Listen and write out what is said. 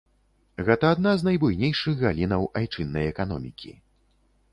Гэта адна з найбуйнейшых галінаў айчыннай эканомікі.